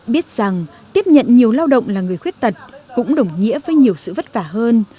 biết rằng tiếp nhận nhiều lao động là người khuyết tật cũng đồng nghĩa với nhiều sự vất vả hơn